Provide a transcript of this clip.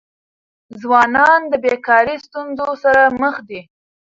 ځوانان د بيکاری ستونزې سره مخ دي.